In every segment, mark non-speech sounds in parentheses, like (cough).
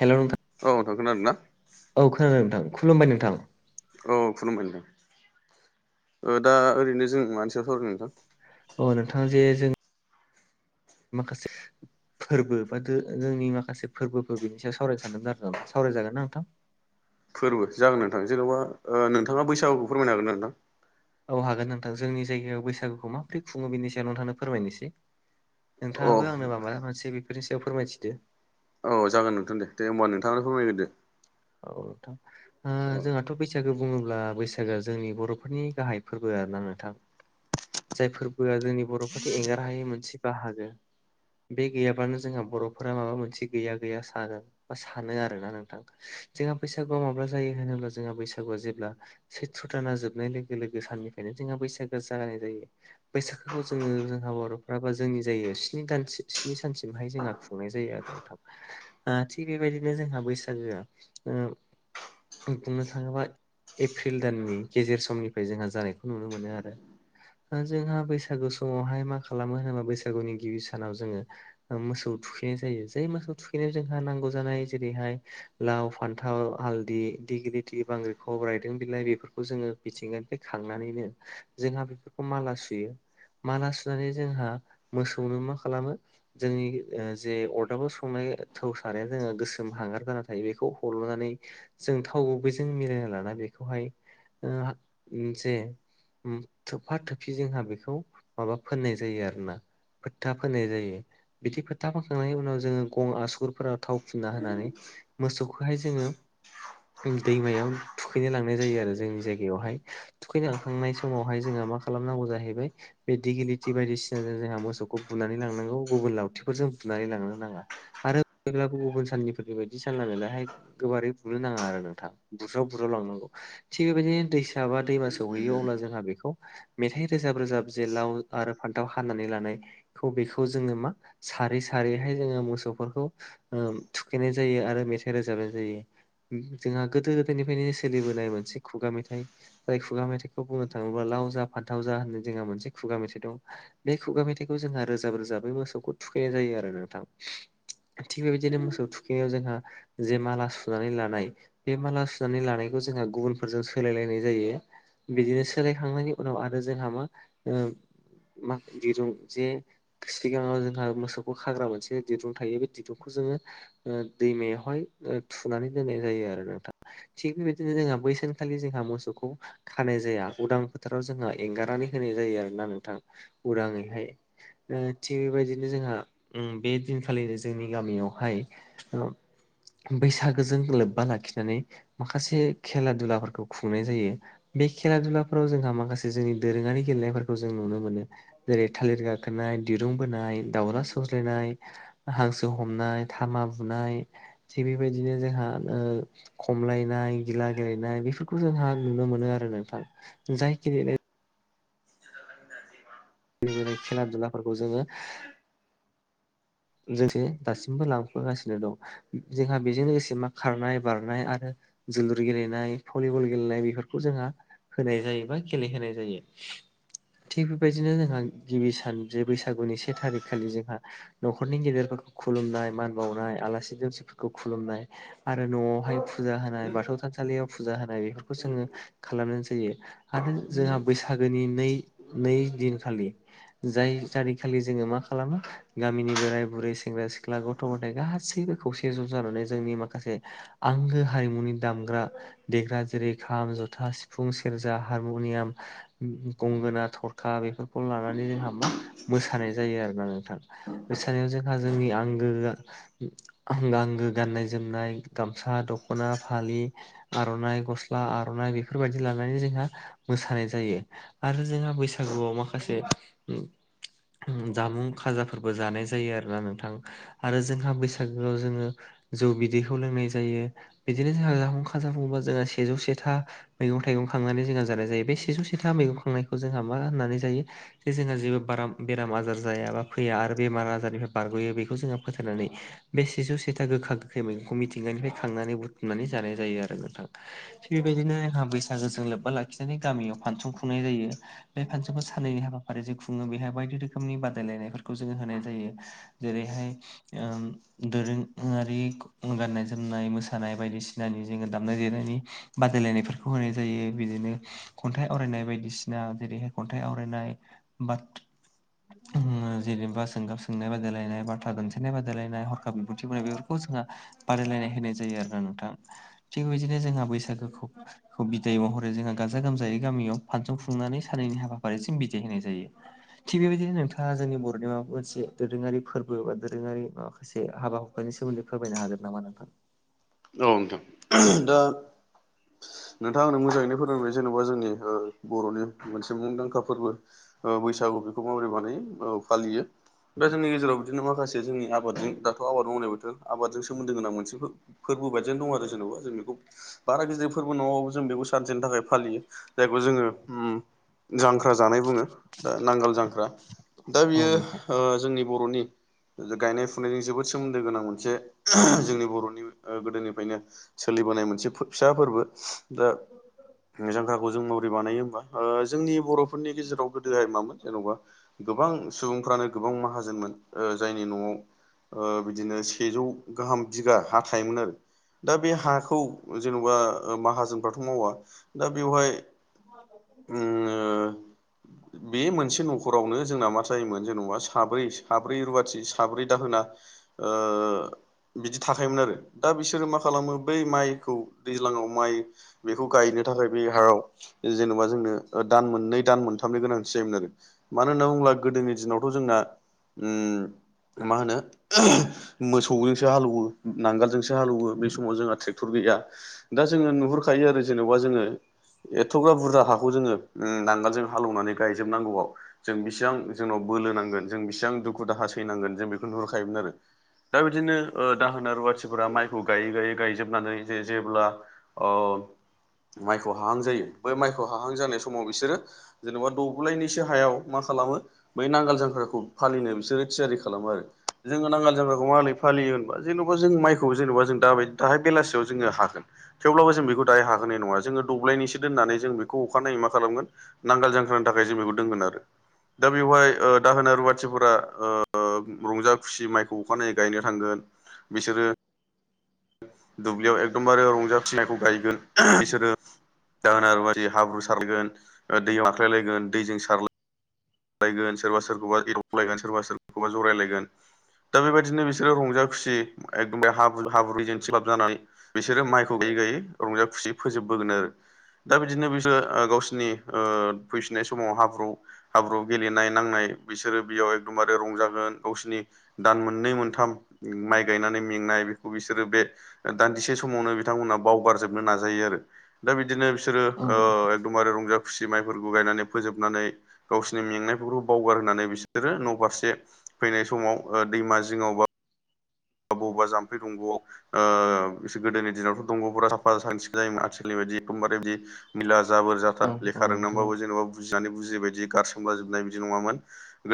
हेल' नोंथां औ नोंथां खोनादोना? औ खोनादों नोंथां खुलुमबाय नोंथां। औ खुलुमबाय नोंथां ओ दा ओरैनो जों मानि सायाव सावरायनो नोंथां? ओ नोंथां जे जों माखासे फोरबो बा जोंनि माखासे फोरबोफोर बिनि सायाव सावराय सानदोंमोन आरो नोंथा सावराय जागोनना नोंथां? फोरबो जागोन नोंथां जेनबा नोंथाङा बैसागुखौ फोरमायनो हागोनना नोंथां? औ हागोन नोंथां जोंनि जायगायाव बैसागुखौ माबोरै खुङो बेनि सायाव नोंथांनो फोरमायनोसै। अ नोंथाङाबो आंनो माबा मोनसे बेफोरनि सायाव फोरमायथिदो। औ जागोन नोंथां दे दे ओमबा नोंथांनो फोरमायग्रोदो। औ नोंथां। ओ औ जोंहाथ' बैसागो बुङोब्ला बैसागोआ जोंनि बर'फोरनि गाहाय फोरबो आरोना नोंथां। जाय फोरबोआ जोंनि बर'फोरनि एंगार हायै मोनसे बाहागो। बे गैयाबनो जोंहा बर'फोरा माबा मोनसे गैया गैया सानो। बा सानो आरोना नोंथां जोंहा बैसागुआ माब्ला जायो होनोब्ला जोंहा बैसागुआ जेब्ला सैथ्र' दाना जोबनाय लोगो लोगो साननिफ्रायनो जोंहा बैसागो जागायनाय जायो। बैसागोखौ जोङो जोंहा बर'फोराबो जोंनि जायगायाव स्नि दान स्नि सानसिमहाय जोंहा खुंनाय जायो आरो नोंथां ओ थिग बेबायदिनो जोंहा बैसागोआ बुंनो थाङोबा एफ्रिल दाननि गेजेर समनिफ्राय जोंहा जानायखौ नुनो मोनो आरो। जोंहा बैसागु समावहाय मा खालामो होनोबा बैसागुनि गिबि सानाव जोङो ओ मोसौ थुखैनाय जायो जै मोसौ थुखैनायाव जोंहा नांगौ जानाय जेरैहाय लाव फान फान्थाव हालदि दिगिलिथि बांग्रि खब रायदों बिलाइ बेफोरखौ जोङो मिथिंगानिफ्राय बे खांनानैनो जोंहा बेफोरखौ माला सुयो। माला सुनानै जोंहा मोसौनो मा खालामो जोंनि ओ जे अरदाबाव संनाय थौ साराया जोङो गोसोम हांगार जाना थायो। बेखौ हल'नानै जों थाव गुबैजों मिलायना लानानै बेखौहाय ओ जे उम थोबफा थोबफि जोंहा बेखौ माबा फोननाय जायो आरोना। फोथथा फोनाय जायो। बिदि फोथा फोनखांनायनि उनाव जोङो गं आसुगुरफोराव थाव फुनन्ना होनानै मोसौखौ खौहाय जोङो दैमायाव थुखैनो लांनाय जायो आरो जोंनि जायगायावहाय थुखैलांखांनाय समावहाय जोंहा मा खालामनांगौ जाहैबाय। बेदिगिलिटि बायदिसिनाजों जोंहा मोसौखौ बुनानै लांनांगौ गुबुन लावथिफोरजों बुनानै लांनो नाङा। आरो जेब्ला गुबुन साननिफोर बेबायदि (unintelligible) गैला हाय। गोबारै बुनो नाङा आरो नोंथां बुज्राव बुज्राव लांनांगौ। थिग बेबायदिनो दैसा बा दैमा सहैयो अब्ला जोंहा बेखौ मेथाइ रोजाब रोजाब जे लाव आरो फान्थाव हानानै लानाय खौ बेखौ जोङो मा सारै सारैहाय जोङो मोसौफोरखौ ओ थुखैनाय जायो आरो मेथाइ रोजाबनाय जायो। जोंहा गोदो गोदायनिफ्रायनो सोलिबोनाय मोनसे खुगा मेथाइ। जाय खुगा मेथाइखौ बुंनो थाङोब्ला लाव जा फान्थाव जा होननानै जोंहा मोनसे खुगा मेथाइ दं। बे खुगा मेथाइखौ जोंहा रोजाब रोजाबै मोसौखौ थुखैनाय जायो आरो नोंथां। थिग बेबायदिनो मोसौ थुखैनायाव जोंहा जे माला सुनानै लानाय बे माला सुनानै लानायखौ जोंहा गुबुनफोरजों सोलायलायनाय जायो। बिदिनो सोलायखांनायनि उनाव आरो जोंहा मा ओ मा दिरुं जे सिगाङाव जोंहा मोसौखौ खाग्रा मोनसे दिरुं थायो बे दिरुंखौ जोङो ओ दैमायावहाय थुनानै दोननाय जायो आरो नोंथां। थिग बेबायदिनो जोंहा बैसानखालि जोंहा मोसौखौ खानाय जाया उदां फोथाराव जोंहा एंगारनानै होनाय जायो आरोना नोंथां उदाङैहाय। थिग बेबायदिनो जोंहा बे दिनखालिनो जोंनि गामियावहाय ओ बैसागोजों लोब्बा लाखिनानै माखासे खेला दुलाफोरखौ खुंनाय जायो। बे खेला दुलाफोराव जोंहा माखासे जोंनि दोरोङारि गेलेनायफोरखौ जों नुनो मोनो। जेरै थालिर गाखोनाय दिरुं बोनाय दावला सौज्लायनाय। हांसो हमनाय थामा बुनाय थिग बेबायदिनो जोंहा ओ खमलायनाय गिला गेलेनाय बेफोरखौ जोंहा नुनो मोनो आरो नोंथां जायखि (unintelligible) खेला दुलाफोरखौ जोङो जों लोगोसे दासिमबो लांफागासिनो दं जोंहा बेजों लोगोसे मा खारनाय बारनाय आरो जोलुर गेलेनाय भलिबल गेलेनाय बेफोरखौ जोंहा होनाय जायो बा गेलेहोनाय जायो थिग बेबायदिनो जोंहा गिबि सान जे बैसागुनि से थारिख खालि जोंहा न'खरनि गेदेरफोरखौ खुलुमनाय मान बावनाय आलासि दुमसिफोरखौ खुलुमनाय आरो न'आवहाय फुजा होनाय बाथौ थानसालियाव फुजा होनाय बेफोरखौ जोङो खालामनाय जायो आरो जोंहा बै सागोनि नै नै दिनखालि जाय थारिखखालि जोङो मा खालामो गामिनि बोराय बुरै सेंग्रा सिख्ला गथ' गथाय गासैबो खौसे ज' जानानै जोंनि माखासे आंगो हारिमुनि दामग्रा देग्रा जेरै खाम जथा सिफुं सेरजा हारमुनियाम गंगोना थरखा बेफोरखौ लानानै जोंहा मा मोसानाय जायो आरोना नोंथां मोसानायाव जोंहा जोंनि आंगोआ आंगो गाननाय जोमनाय गामसा दख'ना फालि आरनाइ गस्ला आरनाइ बेफोरबायाददि लानानै जोंहा मोसानाय जायो आरो जोंहा बैसागुआव माखासे जामुं खाजा फोरबो जानाय जायो आरोना नोंथां आरो जोंहा बैसागोआव जोङो जौ बिदैखौ लोंनाय जायो बिदिनो जोंहा जामुं खाजाखौ बुङोबा जोंहा सेजौ सेथा मैगं थाइगं खांनानै जोंहा जानाय जायो बे सिजौ सिथा मैगं खांनायखौ जोंहा मा होननानै जायो जे जोंहा जेबो बाराम बेराम आजार जायाबा फैया आरो बेमार आजारनिफ्राय बारगयो बेखौ जोहा फोथायनानै बे सेजौ सेथा गोखा गोखै मैगंखौ मिथिंगानिफ्राय खांनानै बुथुमनानै जानाय जायो आरो नोंथां थिग बेबायदिनो जोंहा बैसागोजों लोब्बा लाखिनानै गामियाव फानसन खुं नाय जायो बे फानसनखौ साननैनि हाबाफारि जे खुङो बेहाय बायदि रोखोमनि बादायलायनायफोर खौ जोङो होनाय जायो जेरैहाय ओ दोरोङारि गान्नाय जोमनाय मोसानाय बायदिसिनानि जोङो दामनाय देनायनि बादायलायनायफोरखौ होनाय जायो बिदिनो खन्थाइ आवरायनाय बायदिसिना जेरैहाय खन्थाइ आवरायनाय बा ओ जेनेबा सोंगाब सोंनाय बादायलायनाय बाथ्रा दानथेनाय बादायलायनाय हरखाब बिबुंथि बादायनाय बेफोरखौ जोंहा बादायलायनाय होनाय जायो आरोना नोंथां थिगबायदिनो जोंहा बैसागोखौ खौ बिदाय महरै जोंहा गाजा गोमजायै गामियाव फानसं खुंनानै सानैनैनि हाबाफारिसिम बिदाय होनाय जायो थिग बेबायदिनो नोंथाङा जोंनि बर' माबा मोनसे दोरोङारि फोरबो बा दोरोङारि माखासे हाबा हुखानि सोमोन्दै फोरमायनो हागोन नामा नोंथां औ नोंथां दा नोंथां आंनो मोजाङैनो फोरोंबाय जेनेबा जोंनि बर'नि मोनसे मुंदांखा फोरबो बैसागु बेखौ माबोरै बानायो औ फालियो दा जोंनि गेजेराव बिदिनो माखासे जोंनि आबादजों दाथ आबाद मावनाय बथ आबादजों सोमोन्दो गोनां मोनसे फोरबो बायदियनो दं आरो जेनेबा जों बेखौ बारा गिदिर फोरबो नङाबाबो जों बेखौ सानसेनि थाखाय फालियो जायखौ जोङो उम जांख्रा जानाय बुङो दा नांगोल जांख्रा दा बियो औ नोंथां ओ जोंनि बर'नि गायनाय फुनायजों जोबोद सोमोन्दो गोनां मोनसे जोंनि बर'नि गोदोनिफ्रायनो सोलिबोनाय मोनसे फिसा फोरबो दा जांख्राखौ जों माबोरै बानायो होमबा जोंनि बर'फोरनि गेजेराव गोदोहाय मामोन जेनबा गोबां सुबुंफ्रानो गोबां माहाजोनमोन ओ जायनि न'आव ओ बिदिनो सेजौ गाहाम बिगा हा थायोमोन आरो दा बे हाखौ जेनबा माहाजोनफ्राथ मावा दा बेवहाय उम ओ बे मोनसे न'खरावनो जोंना मा जायोमोन जेनबा साब्रै साब्रै रुवाथि साब्रै दाहोना ओ बिदि थाखायोमोन आरो दा बिसोरो मा खालामो बै माइखौ दैज्लाङाव माइ बेखौ गायनो थाखाय बे हायाव जेन'बा जोंनो दान मोननै दान मोनथामनि गोनांथि जायोमोन आरो मानो होनना बुङोब्ला गोदोनि दिनावथ' जोंना मा होनो मोसौजोंसो हालौवो नांगोल जोंसो हालौवो बे समाव जोंहा ट्रेक्ट'र गैया दा जोङो नुहुरखायो आरो जेनेबा जोङो एथ'ग्रा बुरजा हाखौ जोङो नांगोलजों हालेवनानै गायजोब नांगौवाव जों बेसिबां जोंनाव बोलो नांगोन जों बेसिबां दुखु दाहा सैनांगोन जों बेखौ नुहुरखायोमोन आरो दा बिदिनो दाहोना रुवाथि फोरा माइखौ गायै गायै गायजोबनानै जे जेब्ला माइखौ हाहां जायो बै माइखौ हाहां जानाय समाव बिसोरो जेनेबा दब्लायनैसो हायाव मा खालामो बै नांगोल जांख्राखौ फालिनो बिसोरो थियारि खालामो आरो जोङो नांगाल जाग्राखौ माबोरै फालियो होनबा जेन'बा जों माइखौ खौ जेनेबा जों दाय दाहाय बेलासियाव जोङो हागोन थेवब्लाबो जों बेखौ दायो हाखानाय नङा जोङो दब्लायनैसो दोननानै जों बेखौ अखानायै मा खालामगोन नांगोल जांख्रानि थाखाय जों बेखौ दोनगोन आरो दा बेवहाय दाहोना रुवाथिफोरा रंजा खुसि माइखौ अखानायै गायनो थांगोन बिसोरो दुब्लियाव एकदमबारे रंजा (unintelligible) नायखौ गायगोन बिसोरो दाहोना रुवाथि हाब्रु सारलायगोन दैयाव नाख्लायलायगोन दैजों सारलाय लायगोन सोरबा सोरखौबा एदावलायगोन सोरबा सोरखौबा जरायलायगोन दा बेबायदिनो बिसोरो रंजा खुसि एखदमबारे हाब्रु हाब्रु दैजों थिंख्लाब जानानै बिसोरो माइखौ गायै गायै रंजा खुसियै फोजोबबोगोन आरो दा बिदिनो बिसोरो गावसोर नि ओ फैसिननाय समाव हाब्रु हाब्रुवाव गेलेनाय नांनाय बिसोरो बेयाव एकदमबारे रंजागोन गावसिनि दान मोननै मोनथाम माइ गायनानै मेंनाय बेखौ बिसोरो बे दान्दिसे समावनो बिथांमोना बावगारजोबनो नाजायो आरो दा बिदिनो बिसोरो औ नोंथां एकदबारे रंजा खुसि माइफोरखौ गायनानै फोजोबनानै गावसिनि मेंनायफोरखौ बावगार होनानै बिसोरो न' फारसे फैनाय समाव दैमा जिङावबा बबबा जाम्फै दंग'आव गोदोनि दिनावथ' दंग'फोरा साफा साखोन-सिखोन जायोमोन आथिखालनि बायदि एखदमबारे बिदि मैला जाबोर जाथा औ औ लेखा नोंथां रोंनानैबाबो जेन'बा बुजिनानै बुजियबायदि गारसोमला जोबनाय बिदि नङामोन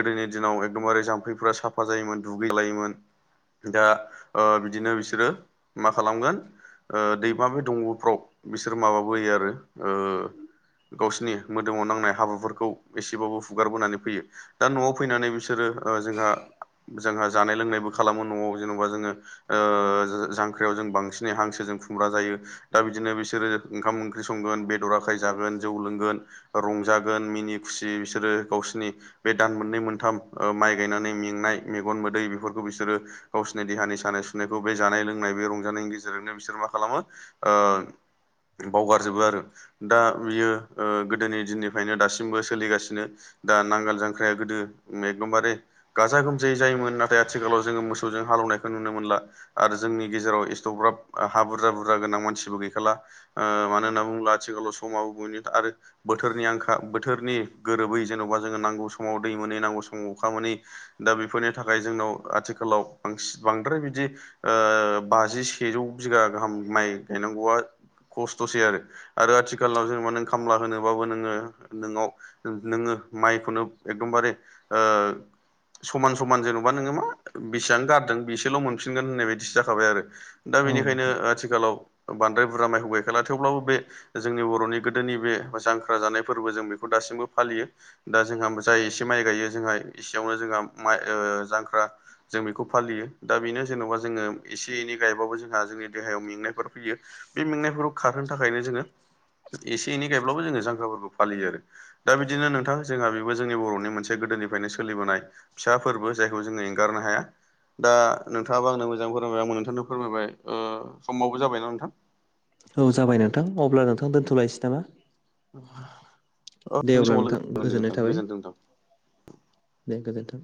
गोदोनि दिनाव एकदमबारे जाम्फैफोरा साफा जायोमोन दुगैजालायोमोन दा बिदिनो बिसोरो मा खालामगोन दैमा बे दंग'फ्राव बिसोर माबाबोयो आरो गावसिनि मोदोमाव नांनाय हाब्रुफोरखौ एसेबाबो हुगारबोनानै फैयो दा न'आव फैनानै बिस सोरो जोंहा जोंहा जानाय लोंनायबो खालामो न'आव जेन'बा जोङो जांख्रियाव जों बांसिनै हांसोजों खुमब्रा जायो दा बिदिनो बिसोरो ओंखाम ओंख्रि संगोन बे बेदर आखाय जागोन जौ लोंगोन रंजागोन मिनि खुसि बिसोरो गावसिनि बे दान मोननै मोनथाम माइ गायनानै मेंनाय मेगन मोदै बेफोरखौ बिसोरो गावसिनि देहानि सानाय सुनायखौ बे जानाय लोंनाय बे रंजानायनि गेजेरजोंनो बिसोर मा खालामो बावगारजोबो आरो दा बियो गोदोनि दिननिफ्रायनो दासिमबो सोलिगासिनो दा नांगोल जांख्राया गोदो एकदमबारे गाजा गोमजायै जायोमोन नाथाय आथिखालाव जोङो मोसौ जों हालेवनायखौ नुनो मोनला आरो जोंनि गेजेराव एस्थ'ग्राब हा बुरजा बुरजा गोनां मानसिबो गैखाला मानो होनना बुङोब्ला आथिखालाव समाबो बयनि आरो बोथोरनि आंखा बोथोरनि गोरोबै जेन'बा जोङो नांगौ समाव दै मोनै नांगौ समाव अखा मोनै दा बेफोरनि थाखाय जोंनाव आथिखालाव बांसि बांद्राय बिदि बाजि सेजौ बिगा गाहाम माइ गायनांगौआ खस्थ'सै आरो आरो आथिखालाव जेनेबा नों खामला होनोबाबो नोङो नोंनाव नोङो माइखौनो एकदमबारे समान समान जेन'बा नोङो मा बेसां गारदों बिसेल' मोनफिनगोन होननाय बायदि जाखाबाय आरो दा औ बेनिखायनो नोंथां आथिखालाव बांद्राय बुरजा माइखौ गायखाला थेवब्लाबो बे जोंनि बर'नि गोदोनि बे जांख्रा जानाय फोरबो जों बेखौ दासिमबो फालियो दा जोंहा जाय एसे माइ गायो जोंहा एसेयावनो जोंहा माइ जांख्रा जों बेखौ फालियो दा बेनो जेन'बा जोङो एसे एनै गायबाबो जोंहा जोंनि देहायाव मेंनायफोर फैयो बे मेंनायफोरखौ खारहोनो थाखायनो जोङो एसे एनै गायब्लाबो जोङो जांख्राफोरखौ फालियो आरो दा बिदिनो नोंथां जोंहा बेबो जोंनि बर'नि मोनसे गोदोनिफ्रायनो सोलिबोनाय फिसा फोरबो जायखौ जोङो एंगारनो हाया दा नोंथाङाबो आंनो मोजां फोरमायबाय आंबो नोंथांनो फोरमायबाय समावबो जाबायना नोंथां औ जाबाय नोंथां अब्ला नोंथां दोनथ'लायनोसै नामा (inaudible) दे उननि अब्ला समाव लोगो नोंथां मोनगोन दे गोजोननाय नोंथां थाबाय गोजोनथों नोंथां दे गोजोन्थों